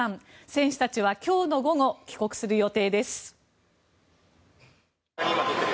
選手たちは今日の午後帰国する予定です。